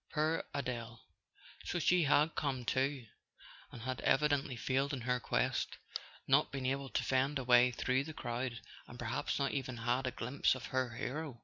Poor Adele! So she had come too—and had evi¬ dently failed in her quest, not been able to fend a way through the crowd, and perhaps not even had a glimpse of her hero.